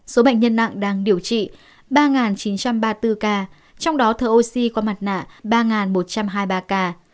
số bệnh nhân nặng đang điều trị ba chín trăm ba mươi bốn ca trong đó thở oxy qua mặt nạ ba một trăm hai mươi ba ca